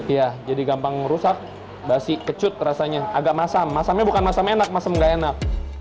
iya jadi gampang rusak basi kecut rasanya agak masam masamnya bukan masam enak masam gak enak